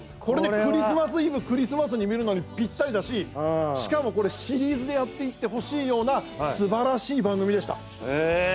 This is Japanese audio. クリスマスイブ、クリスマスに見るのにぴったりだししかも、これシリーズでやっていってほしいようなすばらしい番組でした。